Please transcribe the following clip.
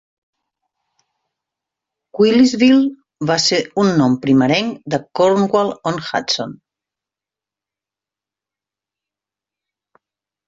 Willisville va ser un nom primerenc de Cornwall-on-Hudson.